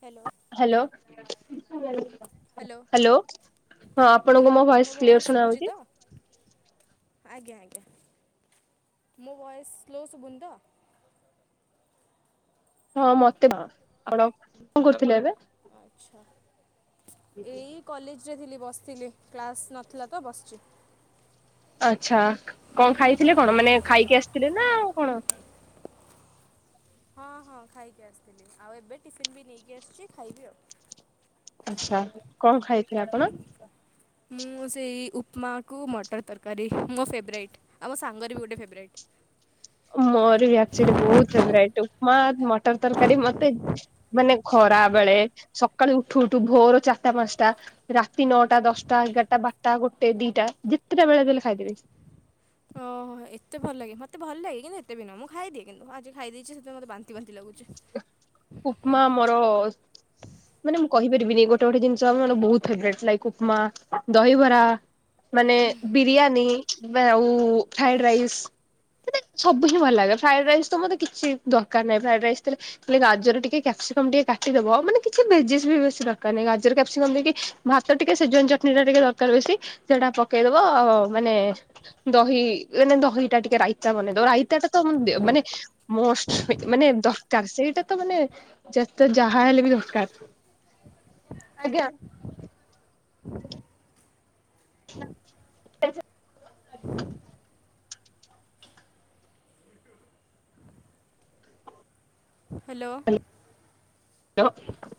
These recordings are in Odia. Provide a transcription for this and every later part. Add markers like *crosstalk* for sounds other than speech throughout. ହ୍ୟାଲୋ। ହ୍ୟାଲୋ। ହ୍ୟାଲୋ। ହଁ ଆପଣଙ୍କୁ ମୋ ଭଏସ ଭଏସ୍ କ୍ଲିୟର ଶୁଭୁଛି ତ ଶୁଣାଯାଉଛି। ଆଜ୍ଞା, ଆଜ୍ଞା ମୋ ଭଏସ୍ ସ୍ଲୋ ଶୁଭୁନି ତ। ହଁ ମତେ ଆପଣ କଣ କରୁଥିଲେ ଏବେ? ଆଚ୍ଛା, ଏଇ କଲେଜରେ ଥିଲି ବସିଥିଲି। କ୍ଲାସ୍ ନଥିଲା ତ ବସିଛି। ଆଚ୍ଛା, କଣ ଖାଇଥିଲେ କଣ ମାନେ ଖାଇକି ଆସିଥିଲେ ନା ଆଉ କଣ? ହଁ, ହଁ ଖାଇକି ଆସିଥିଲି। ଆଉ ଏବେ ଟିଫିନ୍ ବି ନେଇକି ଆସିଛି ଖାଇବି ଆଉ। ଆଚ୍ଛା, କଣ ଖାଇଥିଲେ ଆପଣ? ମୁଁ ସେଇ ଉପମାକୁ ମଟର ତରକାରୀ ମୋ ଫେବରାଇଟ୍ ଆଉ ମୋ ସାଙ୍ଗରେ ବି ଗୋଟେ ଫେବରାଇଟ୍। ମୋର ବି ଆଚୁଆଲି ବହୁତ ଫେବରାଇଟ୍। ଉପମା ମଟର ତରକାରୀ ମତେ ମାନେ ଖରା ବେଳେ। ସକାଳେୁ ଉଠୁ ଉଠୁ ଭୋର ଚାରିଟା ପାଞ୍ଚଟା ରାତି ନଅଟା ଦଶଟା ଏଗାରଟା ବାରଟା ଗୋଟେ ଦିଟା ଯେତେଟା ବେଳେ ଦେଲେ ଖାଇଦେବି। ଓହୋ ଏତେ ଭଲାଗ ମତେ ଭଲ ଲାଗେ କିନ୍ତ ଏତେ ବିୁ ମୁଁ ଖାଇି କିନ୍ତୁ ଆଜି ଖାଇ ଦେଇେଇଛି ସେଥି ମତେ ବାନ୍ତି ବାନ୍ତି ଲାଗୁଛି। ଉପମା ମୋର ମାନେ ମୁଁ କହିପାରିବିନି ଗୋଟେ ଗୋଟେ ଜିନିଷ ଆମର ବହୁତ ଫେବରେଟ ଲାଇକ ଉପମା, ଦହିବରା, ମାନେ ବିରିୟାନୀ, ଆଉ ଫ୍ରାଇଡ ରାଇସ୍। ମାନେ ସବୁ ହିଁ ଭଲ ଲାଗେ ଫ୍ରାଇଡ ରାଇସ୍ ତ ମୋତେ କିଛି ଦରକାର ନାହିଁ। ଫ୍ରାଇଡ ରାଇ ଗାଜର ଟିକେ କ୍ୟାପ୍ସିକମ ଟିକେ କାଟିଦବ ମାନେ କିଛି ବେଜିସ ବି ବେଶୀ ଦରକାର ନାହିଁ ଗାଜର କ୍ୟାପ୍ସିକମ ଟିକେ ଭାତ ଟିକେ ସେଜନ ଚଟନି ଟା ଟିକେ ଦରକାର ବେଶି ସେଟା ପକେଇଦବ ଆଉ ମାନେ ଦହି ଏନେ ଦହିଟା ଟିକେ ରାଇତା ବନେଇଦେବ ରାଇତା ଟା ତମ ମାନେ। ମୋଷ୍ଟ ମାନେ ଚର୍ସ ସେଇଟା ତ ମାନେ ଯେତେ ଯାହା ହେଲେ ବି ଦରକାର ଆଜ୍ଞା। *inaudible* *inaudible* *inaudible* ହ୍ୟାଲୋ *unintelligible*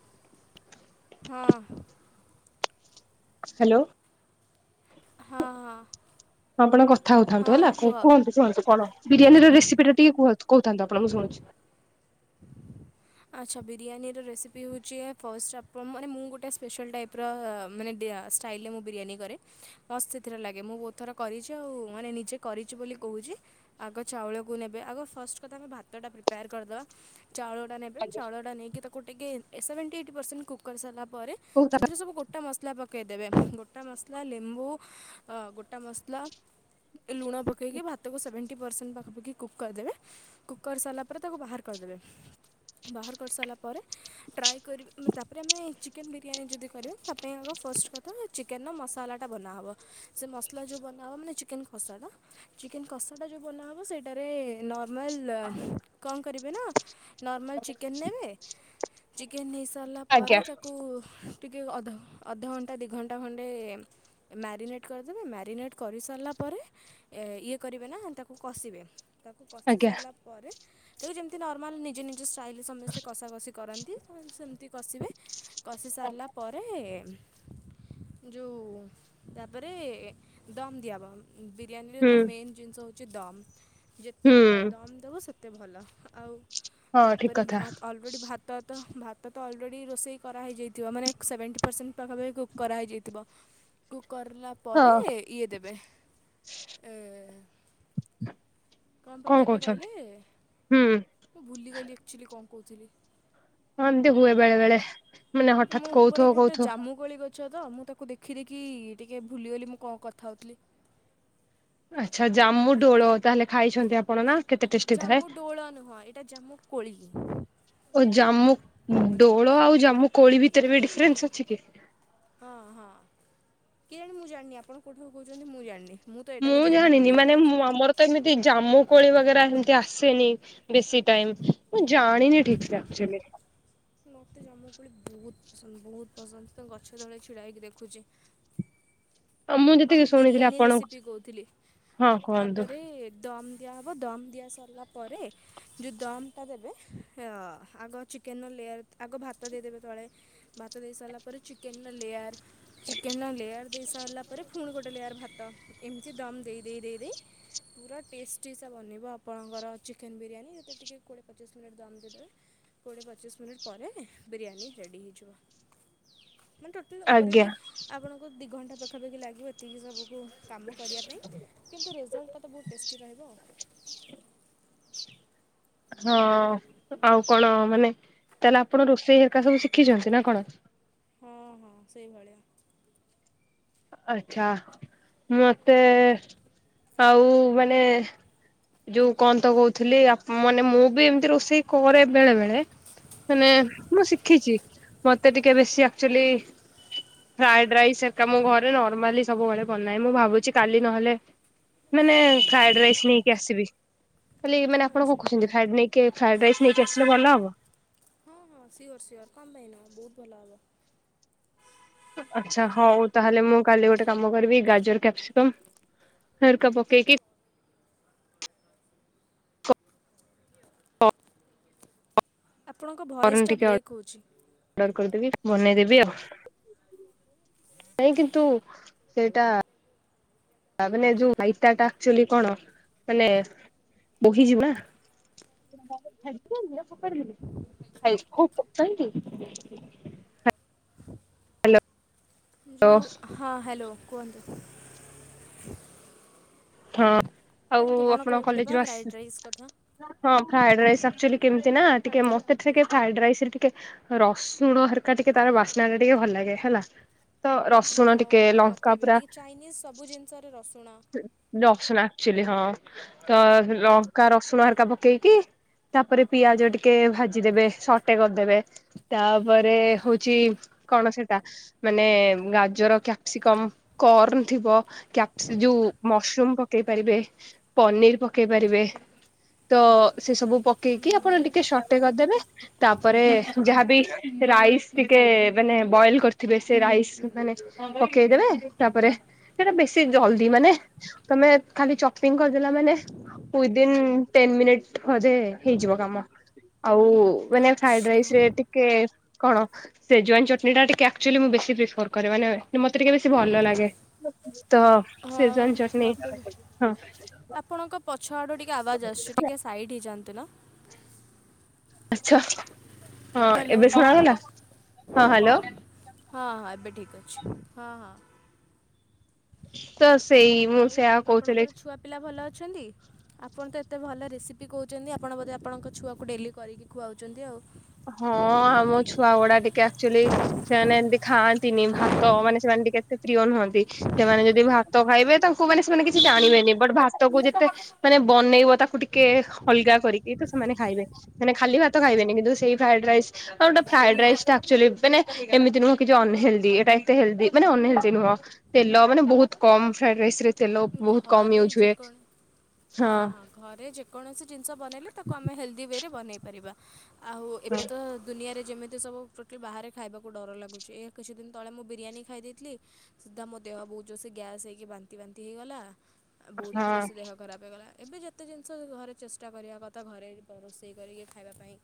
ହଁ ହ୍ୟାଲୋ। ହଁ ହଁ। ହଁ ଆପଣ କଥା ହଁ ହଉଥାନ୍ତୁ ହଁ ହେଲା କୁହ। କୁହନ୍ତୁ କୁହନ୍ତୁ କଣ ବିରିୟାନୀର ରେସିପି ଟା ଟିକେ କହୁନ୍ତ କହୁଥାନ୍ତୁ ଆପଣ ମୁଁ ଶୁଣୁଛି। ଆଚ୍ଛା ବିରିୟାନୀର ରେସିପି ହେଉଛି ଫର୍ଷ୍ଟ ଆପ ମାନେ ମୁଁ ଗୋଟେ ସ୍ପେଶାଲ୍ ଟାଇପ୍? ପ୍ର ମାନେ ଷ୍ଟାଇଲ୍ରେ ମୁଁ ବିରିୟାନୀ କରେ। *unintelligible* ଲାଗେ ମୁଁ ବହୁତ ଥର କରିଛି ଆଉ ମାନେ ନିଜେ କରିଛି ବୋଲି କହୁଛି ଆଗ ଚାଉଳକୁ ନେବେ ଆଗ ଫାଷ୍ଟ କଥା ଆମେ ଭାତଟା ପ୍ରିପେୟାର କରିଦବା ଚାଉଳଟା ନେ। ଆଜ୍ଞା ଚାଉଳଟା ନେଇକି ତାକୁ ଟିକେ ସେଭେଣ୍ଟି ଏଇଟ୍ ପରସେଣ୍ଟ କୁକ୍ କରି ସାରିଲା ପରେ କହୁଥା ସେଥିରେ ସବୁ। ଗୋଟା ମସଲା ପକେଇଦେବେ ଗୋଟା ମସଲା ଲେମ୍ବୁ ଗୋଟା ମସଲା। ଲୁଣ ପକାଇକି ଭାତକୁ ସେଭେଣ୍ଟି ପରସେଣ୍ଟ ପାଖାଖି କୁକ୍ କରିଦେବେ। କୁକ କରି ସରିଲା ପରେ ତାକୁ ବାହାର କରିଦେବେ। ବାହାର କରିସାରିଲା ପରେ ଟ୍ରାଏ କରି ତାପରେ ଆମେ ଚିକେନ୍ ବିରିୟାନୀ ଯଦି? କରିବା ତା ପାଇଁ ଆ ଫାଷ୍ଟ କଥା ଚିକେ। ନା ମସଲାଟା ବନାହବ ସେ ମସଲା ଯଉ ବନାହେବ ମାନେ ଚିକେନ କସାଟା ଚିକେନ କଷଟା ଯଉ ବନାହେବ ସେଇଟାରେ ନର୍ମାଲ କଣ କରିବେ ନା? ନରମାଳ ଚିକେନ ନେବେ ଚିକେନ ହେଇସାରିଲା ଆଜ୍ଞା ପରେ। କୁ ଟିକେ ଅଧ ଅଧଘଣ୍ଟା ଦିଇ ଘଣ୍ଟା ଖଣ୍ଡେ? ମ୍ୟାରିନେଟ୍ କରିଦେବେ ମ୍ୟାରିନେଟ୍ କରିସାରିଲା ପରେ। ଇଏ କରିବେ ନା ତାକୁ କଷିବେ ତାକୁ କଷି ଆଜ୍ଞା ସାରିଲା ପରେ ତାକୁ ଯେମିତି ନର୍ମାଲ ନିଜ ନିଜ ଷ୍ଟାଇଲି ସମସ୍ତେ କଷାକଷି କରନ୍ତି ସେମିତି କଷିବେ କଷି ସାରିଲା ପରେ ଯୋଉ ତାପରେ ଦମ୍ ଦିଆହବ ବିରିୟାନୀରେ ହୁଁ ତ ମେନ୍ ଜିନିଷ ହେଉଚି ଦମ୍ ଯେତେ ହୁଁ ଭ ଦମ୍ ଦବ ସେତେ ଭଲ ଆଉ ହଁ ଠିକ ତାପରେ କଥା ଭାତ ଅ୍ ଅଲରେଡ଼ି ଭାତ ତ ଭାତ ତ ଅଲରେଡ଼ି ରୋଷେଇ କରାହେଇଯାଇଥିବ ମାନେ ସେଭେଣ୍ଟି ପରସେଣ୍ଟ ପାଖାପଖି କୁକ୍ କରାହେଇଯାଇଥିବ କୁକ୍ କରିଲା ପରେ ହଁ ଇଏ ଦେବେ ଏ କଣ ପକେଇବେ କହିଲେ ହୁଁ ମୁଁ ଭୁଲିଗଲି ଆକ୍ଚୁଆଲି କଣ କହୁଥିଲି? ହଁ ଏମନ୍ତି ହୁଏ ବେଳେ ବେଳେ ମାନେ ହଠାତ୍ କହୁଥିବ କହୁଥିବ କୋଳି ଗଛ ତ ମୁଁ ତାକୁ ଦେଖି ଦେଖି ଟିକେ ଭୁଲିଗଲି ମୁଁ କଣ କଥା ହଉଥିଲି। ଆଚ୍ଛା ଜାମୁ ଡୋଳ ତାହେଲେ ଖାଇଚନ୍ତି ଆପଣ ନା? କେତେ ଟେଷ୍ଟି ଥାଏ ଜାମୁ ଡୋଳ ନୁହଁ ଏଇଟା ଜାମୁ କୋଳି। ଓ ଜାମୁ ଡୋଳ ଆଉ ଜାମୁ କୋଳି ଭିତରେ ବି ଡିଫରେନ୍ସ ଅଛି କି? ହଁ ହଁ, କେଜାଣି ମୁଁ ଜାଣିନି ଆପଣ କେଉଠାକୁ କହୁଚନ୍ତି ମୁଁ ଜାଣିନି? ତ ଏଇଟାକୁ ମୁଁ ଜାମୁ ଜାଣିନି କୋଳି ହିଁ ମାନେ କହୁଛି। ମୋ ଆମର ତ ଏମିତି ଜାମୁ କୋଳି ବଗେରା ଏମତି ଆସେନି। ବେଶୀ ଟାଇମ, ମୁଁ ଜାଣିନି ଠିକ୍ ସେ ଆକଚୁଏଲି। ମୋତେ ଜାମୁକୋଳି ବହୁତ ପସନ୍ଦ ବହୁତ ପସନ୍ଦ ସେ ଗଛ ତଳେ ଛିଡ଼ାହେଇକି ଦେଖୁଛି। ଆଉ ହଁ ଯେତିକି ମୁଁ ଶୁଣିଥିଲି ବିରିୟାନୀ ଆପଣ ରେସିପି କହୁଥିଲି, ହଁ କୁହନ୍ତୁ ତାପରେ ଦମ୍ ଦିଆହବ, ଦମ୍ ଦିଆ ସରିଲା ପରେ ଯୋଉ ଦମ୍ ଟା ଦେବେ ଅ ଆଗ ଚିକେନର ଲେୟାର ଆଗ ଭାତ ଦେଇଦେବେ ତଳେ ଭାତ ଦେଇସାରିଲା ପରେ ଚିକେନର ଲେୟାର୍, ଚିକେନର ଲେୟାର ଦେଇସାରିଲା ପରେ ଫୁଣି ଗୋଟେ ଲେୟାର ଭାତ ଏମିତି ଦମ୍ ଦେଇ ଦେଇ ଦେଇ ଦେଇ ପୁରା ଟେଷ୍ଟିସା ବନିବ ଆପଣଙ୍କର ଚିକେନ ବିରିୟାନୀ ସେଥିରେ ଟିକେ କୋଡ଼ିଏ ପଚିଶ ମିନିଟ୍ ଦମ୍ ଦେଇଦେବେ କୋଡ଼ିଏ ପଚିଶ ମିନିଟ୍ ପରେ ବିରିୟାନୀ ରେଡ଼ି ହେଇଯିବ। ମାନେ ଟୋଟାଲ ଆଜ୍ଞା ଓଭରାଲି ଆପଣଙ୍କୁ ଦୁଇ ଘଣ୍ଟା ପାଖାପାଖି ଲାଗିବ ଏତିକି ସବୁକୁ କାମ କରିବା ପାଇଁ। କିନ୍ତୁ ରେଜଲ୍ଟ ଟା ତ ବହୁତ ଟେଷ୍ଟି ରହିବ ଆଉ। ହଁ ଆଉ କଣ ମାନେ ତାହେଲେ ଆପଣ ରୋଷେଇ ଏକା ସବୁ ଶିଖିଚନ୍ତି ନା କଣ? ହୁଁ ହୁଁ ସେଇଭଳିଆ। ଆଛା, ମତେ ଆଉ ମାନେ ଯୋଉ କଣ ତ କହୁଥିଲି ଆପ୍ ମାନେ ମୁଁ ବି ଏମିତି ରୋଷେଇ କରେ ବେଳେ ବେଳେ। ମାନେ ମୁଁ ଶିଖିଚି। ମତେ ଟିକେ ବେଶୀ ଆକଚୁଏଲି ଫ୍ରାଏଡ ରାଇସ୍ ଏକା ମୁଁ ଘରେ ନର୍ମାଲି ସବୁବେଳେ ବନାଏ ମୁଁ ଭାବୁଚି କାଲି ନହେଲେ ମାନେ ଫ୍ରାଏଡ ରାଇସ୍ ନେଇକି ଆସିବି। ଖାଲି ମାନେ ଆପଣ ଆଚ୍ଛା କଣ କହୁଚନ୍ତି ଫ୍ରାଇଡ ନେଇକି ଫ୍ରାଇଡ ରାଇସ୍ ନେଇକି ଆସିଲେ ଭଲ ହବ? ହଁ ହଁ ସିଓର ସିଓର୍। କଣ ପାଇଁ ନୁହଁ? ବହୁତ ଭଲ ହବ। ଆଚ୍ଛା ହଉ ତାହେଲେ ମୁଁ କାଲି ଗୋଟେ କାମ କରିବି ଗାଜର କ୍ୟାପସିକମ୍ ହରିକା ପକେଇକି ଆପଣଙ୍କ କର୍ନ ଭଏସ୍ ଟା ଟିକେ ବ୍ରେକ୍ ହଉଚି। ଅର୍ଡର କରିଦେବି ବନେଇଦେବି ଆଉ। ନାଇଁ କିନ୍ତୁ ସେଇଟା ତାମାନେ ଯୋଉ ରାଇତା ଟା ଆକଚୁଏଲି କଣ ମାନେ ବୋହିଯିବନା? *unintelligible* ଯୋଉ, ହଁ ହ୍ୟାଲୋ କୁହନ୍ତୁ। ହଁ, ଆଉ କୁହନ୍ତୁ କଣ ଆପଣ କହୁଥିଲେ କଲେଜ ବା ରୁ ଆସ୍ ଫ୍ରାଇଡ଼୍ ରାଇସ୍ କଥା? ହଁ ଫ୍ରାଏଡ ରାଇସ୍ ଆକଚୁଏଲି କେମିତି ନା ଟିକେ ମତେ ଟିକେ ଫ୍ରାଏଡ ରାଇସ ରେ ଟିକେ ରସୁଣ ହରିକା ଟିକେ ତାର ବାସ୍ନାଟା ଟିକେ ଭଲ ଲାଗେ ହେଲା। ତ ରସୁଣ ହଁ ଟିକେ, ହଁ ଲଙ୍କା ମୋତେ ବି ପୁରା ଟିକେ ଚାଇନିଜ୍ ସବୁ ଜିନିଷରେ ରସୁଣ ରସୁଣ ଆକ୍ଚୁଆଲି, ହଁ। ତ ଲଙ୍କା, ରସୁଣ ହାଲକା ପକେଇକି ତାପରେ ପିଆଜ ଟିକେ ଭାଜିଦେବେ, ସଟେ କରିଦେବେ। ତାପରେ ହଉଛି, କଣ ସେଟା? ମାନେ ଗାଜର, କ୍ୟାପ୍ସିକମ, କର୍ନ ଥିବ, କ୍ୟାପସ ଯୋଉ ମସରୁମ୍ ପକେଇ ପାରିବେ, ପନିର୍ ପକେଇ ପାରିବେ। ତ ସେ ସବୁ ପକେଇକି ଆପଣ ଟିକେ ସଟେ କରିଦେବେ। ତାପରେ ଯାହାବି ରାଇସ୍ ଟିକେ, ମାନେ ବଏଲ୍‌ କରିଥିବେ, ସେ ରାଇସ୍ ମାନେ ପକେଇଦେବେ, ତାପରେ ସେଟା ବେଶୀ ଜଲଦି, ମାନେ ତମେ ଖାଲି ଚପିଂ କରିଦେଲା, ମାନେ ୱ୍ୱିଦିନ ଟେନ ମିନିଟ ବୋଧେ ହେଇଯିବ କାମ। ଆଉ ମାନେ ଫ୍ରାଇଡ୍‌ ଆଚ୍ଛା ରାଇସ୍‌ ରେ ଟିକେ କଣ? ସେଜୱାନ୍‌ ଚଟନୀଟା ଟିକେ, ଆକ୍ଚୁଆଲି, ମୁଁ ବେଶୀ ପ୍ରିଫର୍ କରେ। ମାନେ, ମତେ ଟିକେ ବେଶୀ ଭଲ ଲାଗେ। ତ ହଁ। ସେଜୱାନ ଚଟଣି ମୋତେ ବି। ହଁ। ଆପଣଙ୍କ ପଛ ଆଡ଼ୁ ଟିକେ ଆବାଜ୍ ଆସୁଛି। ଟିକେ ସାଇଡ୍‌ ହେଇଯାଆନ୍ତୁ ନା? ଆଚ୍ଛା। ହଁ, ହ୍ୟାଲୋ ଏବେ ଶୁଣାଗଲା। ହଁ, ହ୍ୟାଲୋ। ହଁ, ଏବେ ଠିକ୍ ଅଛି। ହଁ, ହଁ। ତ, ସେଇ ମୁଁ ଆଉ, ସେୟା କହୁଥିଲି ଆପଣଙ୍କର ଛୁଆପିଲା ଭଲ ଅଛନ୍ତି? ଆପଣ ତ ଏତେ ଭଲ ରେସିପି କହୁଛନ୍ତି, ଆପଣ ବୋଧେ ଆପଣଙ୍କ ଛୁଆକୁ ଡେଲି କରିକି ଖୁଆଉଛନ୍ତି, ଆଉ। ହଁ, ଆମ ଛୁଆ ଗୁଡା ଟିକେ ଆକ୍ଚୁଆଲି ସେମାନେ ଏମିତି ଖାଆନ୍ତିନି ଭାତ ମାନେ, ସେମାନେ ଟିକେ ଏତେ ପ୍ରିୟ ନୁହନ୍ତି। ସେମାନେ ଯଦି ଭାତ ଖାଇବେ, ତାଙ୍କୁ ମାନେ ସେମାନେ କିଛି ଜାଣିବେନି, ବଟ୍ ଭାତକୁ ଯେତେ ମାନେ ବନେଇବ, ତାକୁ ଟିକେ ଅଲଗା କରିକି ତ ସେମାନେ ଖାଇବେ। ମାନେ ଖାଲି ଭାତ ଖାଇବେନି କିନ୍ତୁ ସେଇ ଫ୍ରାଇଡ ରାଇସ୍ ଆଉ ଗୋଟେ ଫ୍ରାଏଡ୍‌ ରାଇସ୍ ଟା ଆକ୍ଚୁଆଲି ମାନେ ଏମିତି ନୁହଁ କି ଯେ ଅନହେଲଦି। ଏଟା ଏତେ ହେଲଦି, ମାନେ ଅନହେଲଦି ନୁହଁ। ତେଲ ମାନେ ବହୁତ କମ୍। ଫ୍ରାଇଡ୍‌ ରାଇସ୍‌ରେ ତେଲ ବହୁତ କମ୍ ଘରେ ୟୁଜ ହୁଏ। ଯେକୌଣ ହଁ। ଘରେ ଯେକୌଣସି ଜିନିଷ ବନେଇଲେ, ତାକୁ ଆମେ ହେଲ୍ଦି ୱେରେ ବନେଇ ପାରିବା। ଆଉ, ହଁ ଏବେ ତ ଦୁନିଆରେ ଯେମିତି ସବୁ ଟୋଟାଲି ବାହାରେ ଖାଇବାକୁ ଡର ଲାଗୁଛି। ଏ କିଛି ଦିନ ତଳେ ମୁଁ ବିରିୟାନୀ ଖାଇ ଦେଇଥିଲି। ସୁଦ୍ଧା ମୋ ଦେହ ବହୁତ ଜୋର୍‌ସେ ଗ୍ୟାସ୍ ହେଇକି ବାନ୍ତି ବାନ୍ତି ହେଇଗଲା, ଆଉ ବହୁତ ହଁ ଜୋର୍‌ସେ ଦେହ ଖରାପ ହେଇଗଲା। ଏବେ ଯେତେ ଜିନିଷ ଘରେ ଚେଷ୍ଟା କରିବା କଥା, ଘରେ ରୋଷେଇ କରିକି ଖାଇବା ପାଇଁ।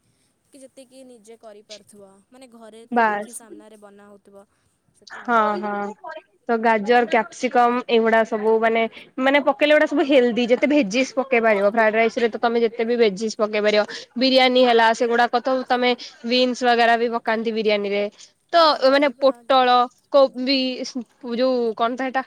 କି ଯେତିକି ନିଜେ କରିପାରୁଥିବ। ମାନେ, ଘରେ ତା ଆଖି ବାସ୍ ସାମ୍ନାରେ ବନା ହଉଥିବ। ହଁ, ହଁ। ତ ଗାଜର, କ୍ୟାପସିକମ୍ ଏଇଗୁଡ଼ା ସବୁ ମାନେ ମାନେ, ପକେଇଲେ ଏଗୁଡ଼ା ସବୁ ହେଲ୍ଦି। ଯେତେ ଭେଜିସ୍ ପକେଇ ପାରିବ। ଫ୍ରାଏଡ୍‌ ରାଇସ୍‌ରେ ତ ତମେ ଯେତେ ବି ଭେଜିସ୍ ପକେଇ ପାରିବ। ବିରିୟାନୀ ହେଲା, ସେଗୁଡ଼ାକ ତ ତମେ ବିନ୍ସ ବଗେରା ବି ପକାନ୍ତି ବିରିୟାନୀରେ। ତ, ହଁ ଏ ମାନେ ପୋ ପରିବା ତ କୋବି *unintelligible* ଯୋଉ କଣ, ତ ସେଟା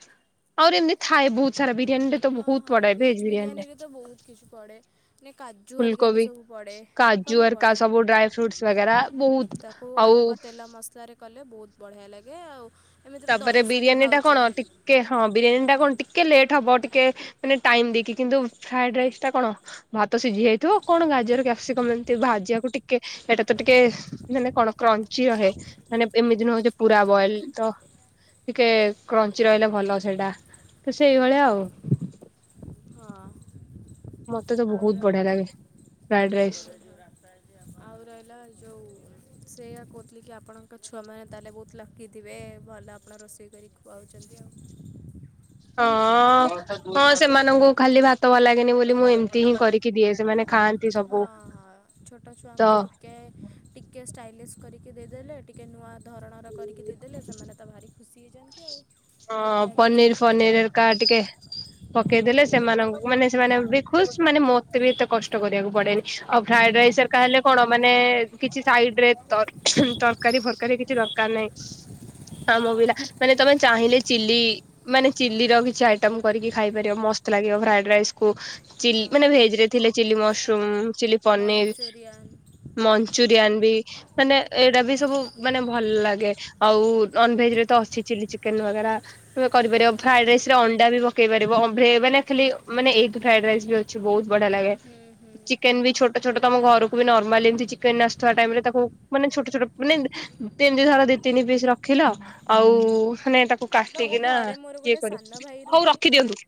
ଆହୁରି ଏମତି ଥାଏ, ବହୁତ ସାରା ବିରିୟାନୀ ରେ ହଁ, ହଁ। ଭେଜ୍ ବିରିୟାନୀରେ ତ ବହୁତ କିଛି ପଡ଼େ ନେ, କାଜୁ, ହେରିକା ବି ଫୁଲକୋବି ସବୁ ପଡ଼େ। କାଜୁ, ସବୁ ହେରକା ପଡ଼େ ସବୁ ଡ୍ରାଏ ଫ୍ରୁଟସ୍‌ ବଗେରା, ବହୁତ ତାକୁ ଆଉ ଅଳ୍ପ ତେଲ, ମସଲାରେ କଲେ, ବହୁତ ବଢ଼ିଆ ଲାଗେ। ଆଉ ଏମିତିରେ ତାପରେ ଦହି ସହିତ ବିରିୟାନୀ ଟା ଖାଉଛେ କଣ ଟି କେ ହଁ, ବିରିୟାନୀ ଟା କଣ ଟିକେ ଲେଟ୍ ହବ, ଟିକେ ମାନେ ଟାଇମ୍ ଦେଇକି। କିନ୍ତୁ ଫ୍ରାଏଡ୍‌ ରାଇସ୍ ଟା କଣ ଭାତ ସିଝି ଯାଇଥିବ, କଣ ଗାଜର, କ୍ୟାପ୍ସିକମ୍ ଏମିତି ଭାଜିଆକୁ ଟିକେ ଏଇଟା ତ ଟିକେ, ମାନେ, କଣ କ୍ରଞ୍ଚି ରହେ। ମାନେ, ଏମିତି ନୁହଁ ଯେ ପୁରା ବଏଲ ତ ଟିକେ କ୍ରଞ୍ଚି ରହିଲେ ଭଲ ସେଇଟା, ତ ସେଇଭଳିଆ ଆଉ। ହଁ, ମତେ ତ ଆଉ ବହୁତ ରହ ବଢିଆ ଲାଗେ ଫ୍ରାଏଡ ହଁ ରାଇସ୍। ହଁ। ଆଉ ରହିଲା ଯୋଉ ସେୟା କହୁଥିଲି କି, ଆପଣଙ୍କ ଛୁଆମାନେ ତାହେଲେ ବହୁ ଲକିଥିବେ, ଭଲ ଆପଣ ରୋଷେଇ କରି ଖୁଆଉଛନ୍ତି, ଆଉ। ହଁ। ହଁ ହଁ ସେମାନଙ୍କୁ ଖାଲି ଭାତ ଭ ଲାଗେନି ବୋଲି ମୁଁ ଏମିତି ହିଁ କରିକି ଦିଏ ସେମାନେ ଖାଆନ୍ତି। ହଁ ସବୁ ହଁ ଛୋଟ ତ ଛୁଆଙ୍କୁ ଟିକେ ଟିକେ ଷ୍ଟାଇଲିଶ କରିକି ଦେଇଦେଲେ ଟିକ୍ ଟିକେ ନୂଆ ଧରଣର କରିକି ଦେଇଦେଲେ ସେମାନେ ତ ଭାରି ଖୁସି ହେଇଯାଆନ୍ତି ଆଉ। ନ ହଁ ଖାଇବା ଜିନିଷ ପନିର ବି ଫନିର ଖାଇଦେବେ। ହେରିକା ଟିକେ ପକେଇଦେଲେ ହଁ। ସେମାନ ମାନେ ସେମାନେ ବି ଖୁସି ମାନେ ମତେ ବି ଏତେ କଷ୍ଟ କରିବାକୁ ପଡେନି ଆଉ ଫ୍ରାଡ ରାଇସ ହେରିକା ହେଲେ କଣ ମାନେ କିଛି ସାଇଡରେ ତରକାରୀ ଫରକାରୀରେ କିଛି ଦରକାର ନାହିଁ ଆମ ପିଲା। ହଁ ମାନେ ତମେ ଚାହିଁଲେ ଚିଲି। ମାନେ ଚିଲିର କିଛି ଆଇଟମ କରିକି ଖାଇପାରିବ ମସ୍ତ ଲାଗିବ ଫ୍ରାଡ ରାଇସକୁ। ଚି ହଁ ମାନେ ଭେଜରେ ଥିଲେ chilli mushroom chilli paneer. Manchurian Manchurian ବି ମାନେ ଏଇଟା ବି ସବୁ ମାନେ ଭଲ ଲାଗେ ଆଉ ନନ ଭେଜରେ ତ ଅଛି ଚିଲି ଚି କେନୁ ବଗେରା କରିପାରିବ ଫ୍ରାଡ ରାଇସରେ ଅଣ୍ଡା ବି ପକେଇ ପାରିବ ଭେଭ ମାନେ ଖାଲି ମାନେ ଏଇଠୁ ଫ୍ରାଡ ରାଇସ୍ ବି ଅଛି। ବହୁତ ବଢିଆ ଲାଗେ ହୁଁ ହୁଁ। ଚିକେନ ବି ଛୋଟ ଛୋଟ ତମ ଘରକୁ ବି ନର୍ମାଲ ଏମିତି ଚିକେନ ଆସୁଥିବା ଟାଇମରେ ତାକୁ ମାନେ ଛୋଟ ଛୋଟ ମାନେ *inaudible* ଥର ଦି ତିନି ପିସ୍ ରଖିଲ ଆଉ ମାନେ ତାକୁ। କାଟି ମୋ କିନା ଘରେ ମୋର ଇଏ ଗୋଟେ ସାନ କରିବ ଭାଇ ହଉ ରୁହେ ରଖି ଦିଅନ୍ତୁ